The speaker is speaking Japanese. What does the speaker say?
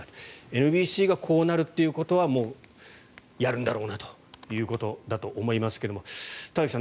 ＮＢＣがこうなるということはもう、やるんだろうなということだと思いますが田崎さん